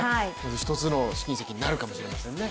一つの試金石になるかもしれませんね。